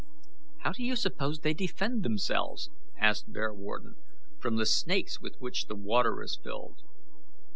"How do you suppose they defend themselves," asked Bearwarden, "from the snakes with which the water is filled?"